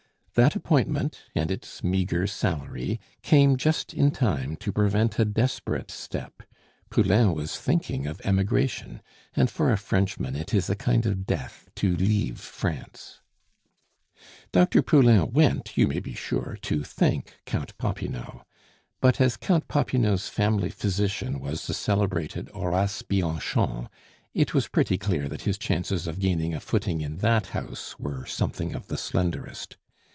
That appointment and its meagre salary came just in time to prevent a desperate step; Poulain was thinking of emigration; and for a Frenchman, it is a kind of death to leave France. Dr. Poulain went, you may be sure, to thank Count Popinot; but as Count Popinot's family physician was the celebrated Horace Bianchon, it was pretty clear that his chances of gaining a footing in that house were something of the slenderest.